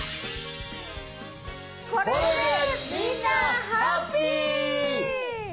これでみんなハッピー。